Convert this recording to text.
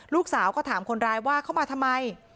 ลูกสาวก็ถามคนร้ายว่าเข้ามาทำไม